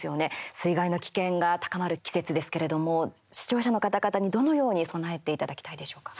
水害の危険が高まる季節ですけれども視聴者の方々に、どのように備えていただきたいでしょうか。